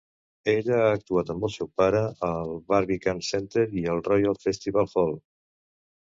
Ella ha actuat amb el seu pare al Barbican Centre i al Royal Festival Hall.